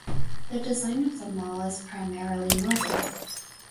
The design of the mall is primarily modern.